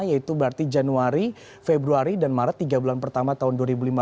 yaitu berarti januari februari dan maret tiga bulan pertama tahun dua ribu lima belas